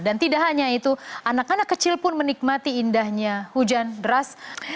dan tidak hanya itu anak anak kecil pun menikmati indahnya hujan deras